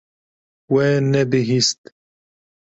We nebihîst.